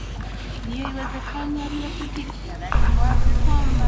hiyo haiwezekani haliepukiki adhari ni wazi kwamba